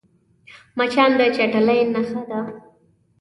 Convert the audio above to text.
مچان د چټلۍ نښه ده